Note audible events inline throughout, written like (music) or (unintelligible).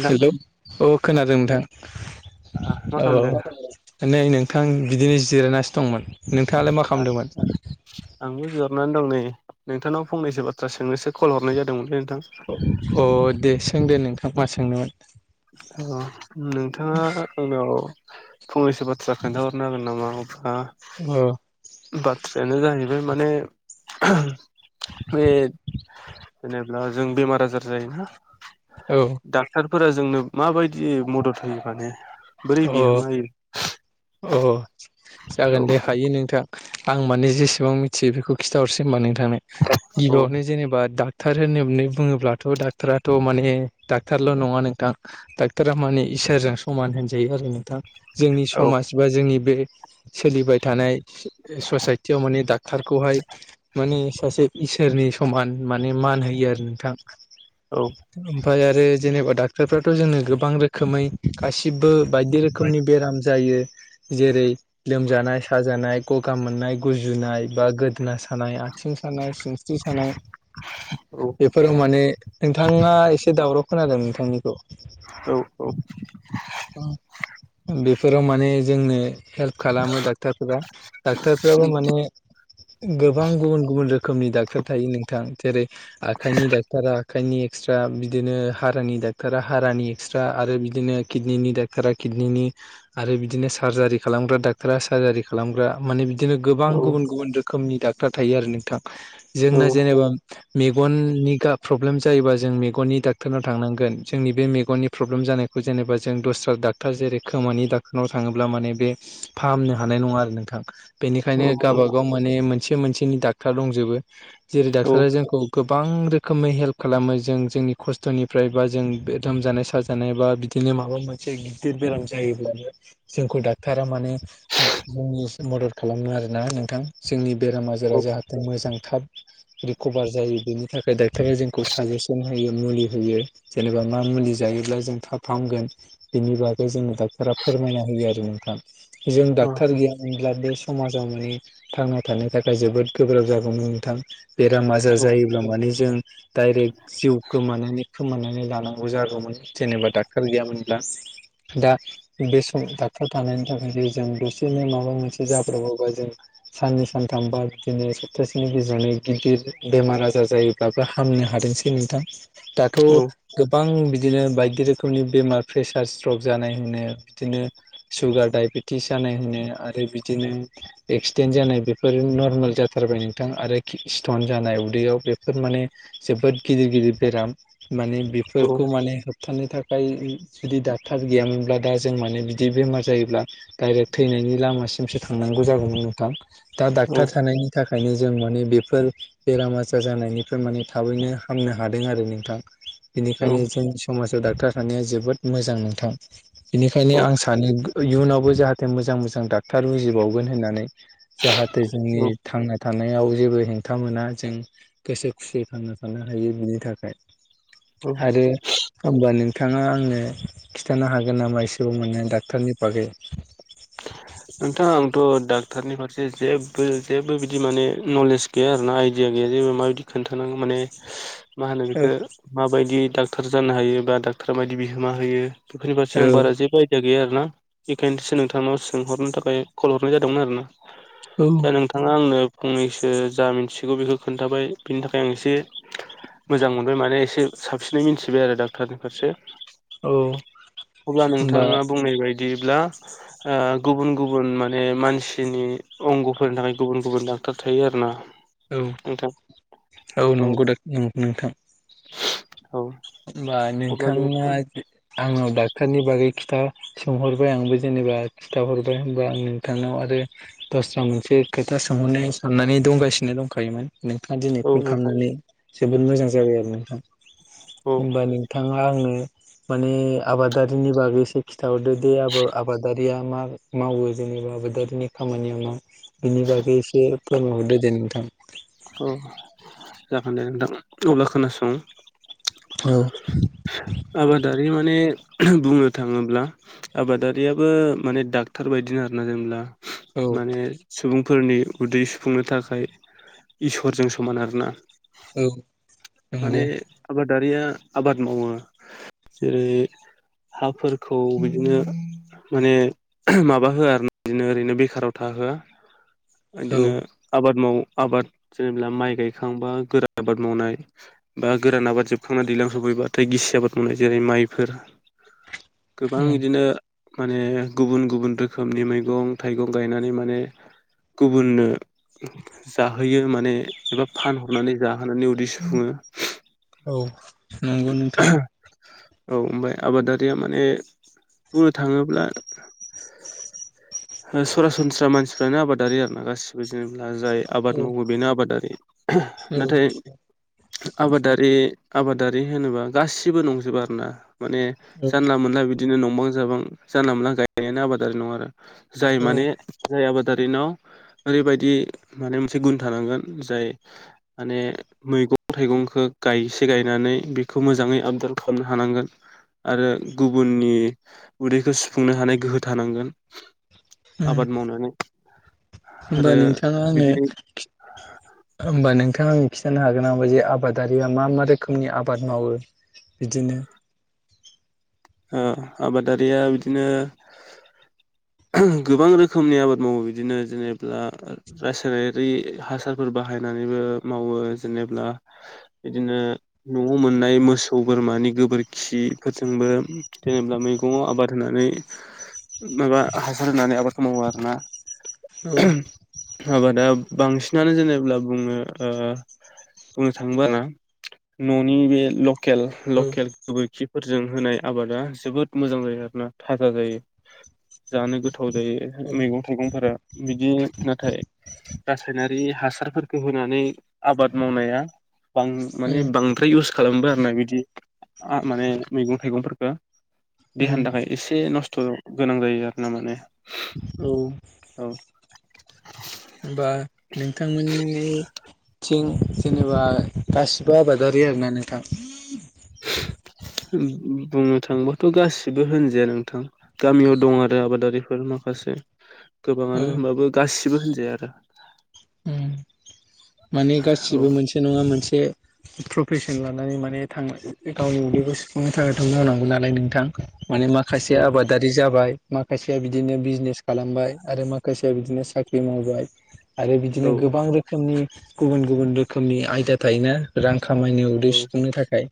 नोंथां हेल' मा औ खोनादों नोंथां खालामदो औ नै नोंथां बिदिनो जिरायनासो दंमोन नोंथाङालाय मा खालामदोंमोन आंबो बिहरनानै दं नै नोंथांनाव फंनैसो बाथ्रा सोंनोसो कल हरनाय जादोंमोनलै नोंथां अ दे सोंदो नोंथां मा सोंनोमोन औ नोंथाङा आंनाव फंनैसो बाथ्रा खोनन्थाहरनो हागोन नामा आ अ बाथ्रायानो जाहैबाय माने बे जेनेबा जों बेमार आजार जायोना औ डाक्टारफोरा जोंनो माबायदि मदद होयो माने बोरै अ बिहोमा होयो अ जागोन दे हायो नोंथां आं माने जेसेबां मिथियो बेखौ खिन्थाहरसै होनबा नोंथांनो गिबियावनो जेनेबा डाक्टार होननानै बुङोब्लाथ' डाक्टराथ' माने डाक्टारल' नङा नोंथां डाक्ट'रा माने इसोरजों समान होनजायो आरो नोंथां जोंनि औ समाज बा जोंनि बे सोलिबाय थानाय ससाइटियाव माने डाक्टारखौहाय माने सासे इसोरनि समान माने मान होयो आरो नोंथां औ ओमफ्राय आरो जेनेबा डाक्ट'रफ्राथ' जोंनो गोबां रोखोमै गासिबो बायदि रोखोमनि बेराम जायो जेरै लोमजानाय साजानाय गगा मोननाय गुजुनाय बा गोदोना सानाय सिथिं सानाय सिंस्रि सानाय औ बे फोराव माने नोंथाङा एसे दावराव खोनादों आरो नोंथांनिखौ। औ औ। बेफोराव माने जोंनो हेल्प खालामो डक्टरफोरा डक्टफ्राबो माने गोबां गुबुन गुबुन रोखोमनि डाक्टर थायो नोंथां जेरै आखाइनि डाक्टारा आखाइनि एक्सट्रा बिदिनो हारानि डाक्टारा हारानि एक्सट्रा आरो बिदिनो किडनिनि डक्टरा किडनिनि आरो बिदिनो सार्जारि खालामग्रा डाक्ट'रा सारजारि खालामग्रा माने बिदिनो गोबां गुबुन गुबुन रोखोमनि डाक्टार थायो आरो नोंथां औ जोंना जेनेबा मेगननि गा प्रब्लेम जायोबा जों मेगननि डाक्टरनाव थांनांगोन जोंनि बे मेगननि प्रब्लेम जानायखौ जेनेबा जों दस्रा डाक्टर जेरै खोमानि डाक्टरनाव थाङोब्ला माने बे फाहामनो हानाय नङा आरो नोंथां। बेनिखायनो औ गावबागाव माने मोनसे मोनसेनि डाक्टर दंजोबो, जेरै डाक्टरा जोंखौ गोबां रोखोमै हेल्प खालामो जों जोंनि खस्थ'निफ्राय बा जों लोमजानाय साजानाय बा बिदिनो माबा मोनसे गदिर बेराम जायोब्लाबो जोंखौ डाक्टरा माने ओ जोंनि मदद खालामो आरोना नोंथां। जोंनि बेराम आजारा जाहाथे मोजां थाब रिकभार जायो बेनि थाखाय डाक्टरा जोंखौ साजेसन होयो मुलि होयो। जेनेबा मा मुलि जायोब्ला जों थाब हामगोन। बेनि बागै जोंनो डाक्टरा फोरमायना होयो आरो नोंथां, जों डाक्टर गैया मोनब्ला बे समाजाव माने थांना थानो थाखाय जोबोद गोब्राब जागौमोन नोंथां। बेराम आजार जायोब्ला माने जों डाइरेक्ट जिउ गोमानानै खोमानानै लानांगौ जागौमोन जेनेबा डक्टर गैयामोनब्ला, दा बे सम डक्टर थानायनि थाखाय जे जों दसेनो माबा मोनसे जाब्रबोबा जों साननै सानथाम बा बिदिनो सप्तासेनि गेजेरावनो गिदिर बेमार आजार जायो बाबो हामनो हादोंसै नोंथां, दाथ' गोबां बिदिनो बायदि रोखोमनि बेमार प्रेसार स्ट्रक जानाय होनो, बिदिनो सुगार डायबेटिस जानाय होनो आरो बिदिनो एक्सिडेन्ट जानाय बेफोर नरमेल जाथारबाय नोंथां आरो खि स्टन जानाय उदैयाव बेफोर माने जोबोद गिदिर गिदिर बेराम माने बेफोरखौ माने होबथानो थाखाय जुदि डाक्टार गैयामोनब्ला दा जों माने बिदि बेमार जायोब्ला डाइरेक्ट थैनायनि लामासिमसो थांनांगौ जागौमोन नोंथां, दा डाक्टार थानायनि थाखायनो जों माने बेफोर बेराम आजार जानायनिफ्राय माने थाबैनो हामनो हादों आरो नोंथां। बेनिखायनो जोंनि समाजाव डक्टार थानाया जोबोद मोजां नोंथां। औ बेनिखायनो आं सानो इयुनावबो जाहाथे मोजां मोजां डाक्टार उजिबावगोन होननानै। जाहाथे जोंनि औ थांना थानायाव जेबो हेंथा मोना जों गोसो खुसियै थांना थानो हायो बिनि थाखाय। औ आरो होनबा नोंथाङा आंनो खिन्थानो हागोन नामा एसेबाव माने डाक्टरनि बागै। (inaudible) नोंथां आंथ' डाक्टारनि फारसे जेबो जेबो बिदि माने नलेज गैया आरोना आइडिया गैया जेबो माबायदि खोन्थानांगौ माने मा होनो औ बेखौ माबायदि डाक्टर जानो हायो बा डाक्टरा मा बायदि बिहोमा होयो बेफोरनि फारसे औ आं बारा जेबो आयदिया गैया आरोना इखायनोसो नोंथांनाव सोंहरनो थाखाय कल हरनाय जादोंमोन आरो ना। औ। दा नोंथाङा आंनो फंनैसो जा मिन्थिगौ बेखौ खोन्थाबाय बिनि थाखाय आं एसे मोजां मोनबाय माने एसे साबसिनै मिथिबाय आरो डाक्टरनि फारसे। औ अब्ला होमबा नोंथाङा बुंनाय बायदिब्ला ओ गुबुन गुबुन माने मानसिनि अंगफोरनि थाखाय गुबुन गुबुन डक्टर थायो आर ना। औ औ नंगौ नोंथां औ होमबा अब्ला नोंथाङा नोंथां आंनाव ड'क्टरनि बागै खिथा सोंहरबाय आंबो जेनेबा खिथाहरबाय होनबा आं नोंथांनाव आरो दस्रा मोनसे खोथा सोंहरनो साननानै दंगासिनो दंखायोमोन नोंथाङा दिनै औ कल नोंथां खालामनानै जोबोद मोजां जाबाय आरो नोंथां। औ होमबा नोंथाङा आंनो माने आबादारिनि बागै एसे खिन्थाहरदो दे आ आबादारिया मा मावो जेनेबा आबादारिनि खामानियावनो बिनि बागै एसे फोरमायहरदो दे नोंथां। अ जागोन दे नोंथां अब्ला खोनासं। औ आबादारि माने बुंनो थाङोब्ला आबादारियाबो माने डाक्टर बायदिनो आरोना जेनेब्ला औ माने सुबुंफोरनि उदै सुफुंनो थाखाय इसोरजों समान आरोना औ माने नंगौ आबादारिया आबाद मावो जेरै हाफोरखौ बिदिनो माने माबा होआ आरो ना बिदिनो ओरैनो बेखाराव थाहोआ औ बिदिनो आबाद माव आबाद जेनेबा माइ गायखांबा गोरा आबाद मावनाय बा गोरान आबाद जोबखांनानै दैलां सफैबाथाय गिसि आबाद मावनाय जेरै माइफोर गोबां बिदिनो माने गुबुन गुबुन रोखोमनि मैगं थाइगं गायनानै माने गुबुननो जाहोयो माने एबा फानहरनानै जाहोनानै उदिस हो औ नंगौ नोंथां। औ ओमफ्राय आबादारिया माने बुंनो थाङोब्ला सरासनस्रा मानसिफ्रानो आबादारि आरो ना गासिबो जेनेा जाय आबाद औ मावो बेनो आबादारि औ नाथाय आबादारि आबादारि होनोबा गासिबो नंजोबो आरो ना माने औ जानला मोनला बिदिनो नंबां जाबां जानला मोनला गायनायानो आबादारि नङा आरो जाय माने जाय आबादारिनाव ओरैबायदि माने मोनसे गुन थानांगोन जाय मानि मैगं थाइगंखौ गायसे गायनानै बेखौ मोजाङै आबदार खालामनो हानांगोन आरो गुबुननि उदैखौ सुफुंनो हानाय गोहो थानांगोन उम आबाद मावनानै होमबा आरो नोंथाङा आंनो बिदि होमबा नोंथाङां खिथानो हागोन ना जे आबादारिया मा मा रोखोमनि आबाद मावो बिदिनो आबादारिया बिदिनो गोबां रोखोमनि आबाद मावो बिदिनो जेनेब्ला रासायनारि हासारफोर बाहायनानैबो मावो जेनेबा बिदिनो न'आव मोननाय मोसौ बोरमानि गोबोरखिफोरजोंबो जेनेा मैगङाव आबाद होनानै माबा हासार होनानै आबादखौ मावो आरोना औ आबादा बांसिनानो जेनेब्ला बुङो बुंनो थाङोब ना न'नि बे ल औ लकेल गोबोरखिफोरजों होनाय आबादा जोबोद मोजां जायो आरोना थाजा जायो जानो गोथाव जायो उम मैगं थाइगंफोरा बिदि नाथाय गासायनारि हासारफोरखौ होनानै आबाद मावनाया ब माने बांद्राय इउस खालामो आरो ना बिदि माने मैगं थाइगंफोरखौ उम देहानि थाखाय एसे नस्थ' गोनां जायो आरो ना माने औ। औ बा नोंथांमोननि थिं जेनेबा गासिबो आबादारि आरोना नोंथां बुंनो थांङोबाथ' गासिबो होनजाया नोंथां गामियाव दं आरो आबादारिफोर माखासे औ गोबाङानो होनबाबो गासिबो होनजाया आरो उम माने गासिबो मोनसे नङा मोनसे प्रफेसन लानानै माने थां गावनि उदैखौ सुफुंनो थाखाय थांनानांगौ नालाय नोंथां माने माख औ खायसे आबाद दादि जाबाय माखासेया बिदिनो बिजनेस खालामबाय आरो माखासेया बिदिनो साख्रि मावबाय आरो औ बिदिनो गोबां रोखोमनि गुबुन गुबुन रोखोमनि आयदा थायोना रां खामायनो उदै औ सुफुंनो थाखाय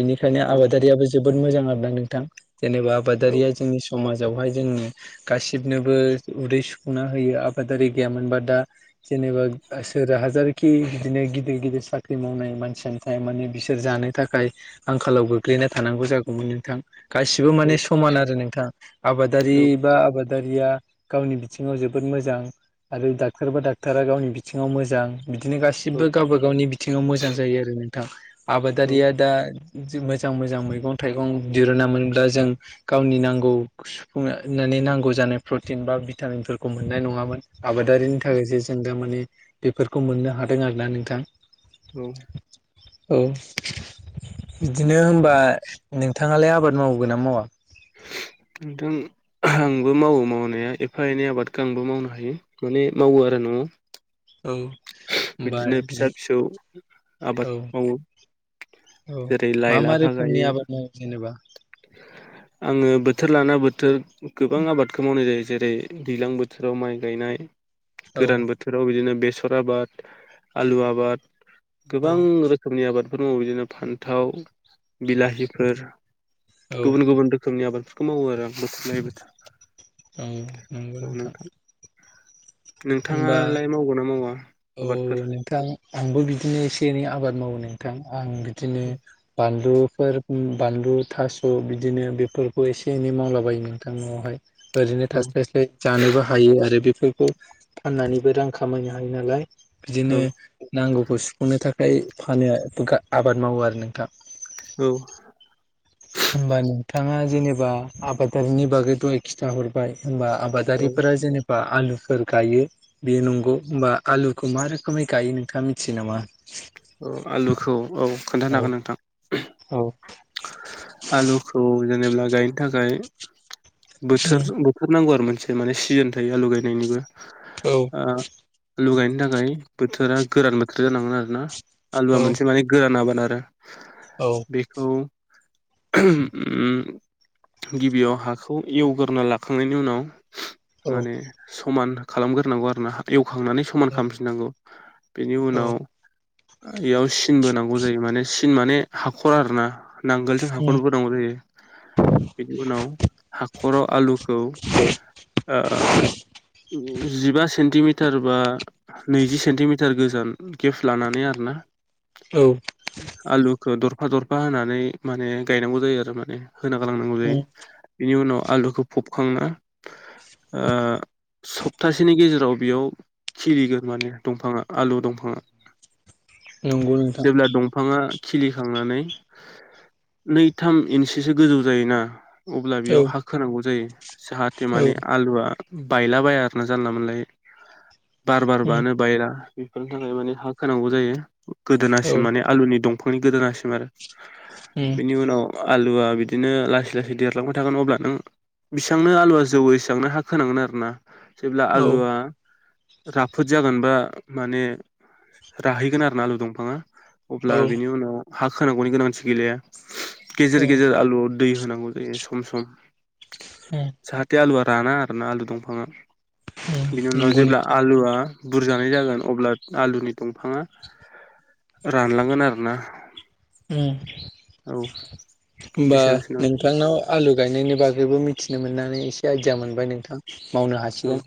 बेनिखायनो औ आबादारियाबो जोबोद मोजां आरो ना नोंथां जेनेबा औ आबादारिया जोंनि समाजावहाय जोंनि गासिबनोबो उदै सुफुंना होयो आबादारि गैयामोनबा दा जेनेबा सोर हाजारखि बिदिनो गिदिर गिदिर साख्रि मावनाय मानसिया थारमाने बिसोर जानो थाखाय आंखालाव गोग्लैना थानांगौ जागौमोन नोंथां गासिबो माने समान आरो नोंथां आबादारि बा आबाद आबादारिया गावनि बिथिङाव जोबोद मोजां आरो डाक्टर बा डक्ट'रा गावनि बिथिङाव मोजां बिदिनो औ गासिबो गावबा गावनि बिथिङाव मोजां जायो आरो नोंथां आबादारिया दा मोजां मोजां मैगं थाइगं दिरुना मोनब्ला जों गावनि नांगौ सुफुंनानै नांगौ जानाय प्रटिन बा भिटामिनफोरखौ मोननाय नङामोन आबादारिनि थाखायसो जों दा माने बेफोरखौ मोननो हादों आरोना नोंथां औ औ बिदिनो होनबा नोंथाङालाय आबाद मावगोन ना मावा? नोंथां आंबो मावो मावनाया एफा एनै आबादखौ आंबो मावनो हायो माने मावो आरो न'आव औ होनबा बिदिनो फिसा नों फिसौ आबाद औ मावो औ जेरै लाइ मा मा लाफा रोखोमनि गायो आबाद मावो जेनेबा आङो बोथोर लाना बोथोर गोबां आबादखौ मावनाय जायो जेरै दैज्लां बोथोराव माइ गायनाय औ गोरान बोथोराव बिदिनो बेसर आबाद आलु आबाद औ गोबां रोख रोखोमनि आबादफोर मावो बिदिनो फान्थाव बिलाहिफोर औ गुबुन गुबुन रोखोमनि आबादफोरखौ मावो आरो आं बोथोर लायै बोथोर औ नंगौ नोंथां होमबा नोंथाङालाय मावगौ ना मावा औ आबादफोर नोंथां आंबो बिदिनो एसे एनै आबाद मावो नोंथां आं बिदिनो बानलुफोर बानलु थास' बिदिनो बेफोरखौ एसे एनै मावलाबायो नोंथां न'आवहाय ओरैनो औ थास्लायस्लाय जानोबो हायो आरो बेफोरखौ फाननानैबो रां खामायनो हायो नालाय बिदिनो औ नांगौखौ सुफुंनो थाखाय फानो (unintelligible) गा आबाद मावो आरो नोंथां औ होमबा नोंथाङा जेनेबा आबादारिनि बागै दहाय खिथा हरबाय होनबा औ आबादारिफोरा जेनेबा आलुफोर गायो बेयो नंगौ होमबा आलुखौ मा रोखोमै गायो नोंथाङा मिथियो नामा? औ आलुखौ औ खोन्थानो हागोन नोंथां औ आलुखौ जेनेबा गायनो थाखाय बोथोर थारनांगौ आरो मोनसे माने सिजोन थायो आलु गायनायनिबो औ आलु गायनो थाखाय बोथोरा गोरान बोथोर जानांगोन आरो ना आलुआ मोनसे माने गोरान आबोन आरो औ बेखौ गिबियाव हाखौ एवगोरना लाखांनायनि उनाव माने समान खालामग्रोनांगौ आरो ना एवखांनानै समान खालामफिननांगौ बेनि औ उनाव इयाव सिनबो नांगौ जायो माने सिन माने हाखर आर ना नांगोलजों हाख उम गौ जायो बेनि उनाव हाख'राव आलुखौ जिबा सेन्टिमिटार बा नैजि सेन्टिमिटार गोजान गेप लानानै आर ना औ आलुखौ दरफा दरफा होनानै माने गायनांगौ जायो आरो माने होना गालांनांगौ जायो उम बेनि उनाव आलुखौ फबखांना सप्तासेनि गेजेराव बेयाव खिलिगोन माने दंफाङा आलु दंफाङा नंगौ नोंथां जेब्ला दंफाङा खिलिखांनानै नैथाम इन्ससो गोजौ जायोना अब्ला औ बेयाव हा खोनांगौ जायो जाहाथे औ माने आलुआ बायला बाया आरोना जानला मोनलाय बार उम बारबानो बायो ना बेफोरनि थाखाय माने हा खोनांगौ जायो औ गोदोनासिम माने आलुनि दं बेखनि गोदोनासिम आरो (inaudible) नि उनाव आलुआ बिदिनो लासै लासै देरलांबाय थागोन अब्ला नों बेसेबांनो आलुवा जौओ एसेबांनो हा खोनांगोन आरो ना जेब्ला औ आलुा राफोद जागोनबा माने राहैगोन आरो न आलु दंफाङा औ अब्ला उम बिनि उनाव हा खांगौनि गोनांथि गैलिया गेजेर गेजेर आलु दै होनांगौ जायो सम सम (inaudible) जाहााथे आलुआ राना आरोना आलु दंफाङा उम बिनि उनाव नंगौ जेब्ला नोंथां आलुआ बुरजानाय जागोन अब्ला आलुनि दंफांङा रानलांगोन आरो ना उम औ होमबा एसेनोसै नोंथां नोंथांनाव आलु गायनायनि बागैबो मिथिनो मोननानै एसे आइदिया मोनबाय नोंथां मावनो औ हासिगोन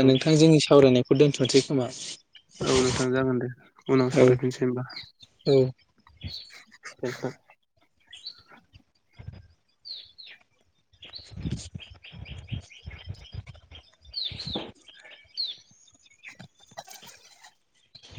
औ नोंथां जोंनि सावरायनायखौ दोन्थ'नोसै खोमा औ नोंथां जागोन दे उनाव औ सरायफिनसै होनबा औ (unintelligible) (unintelligible) (unintelligible)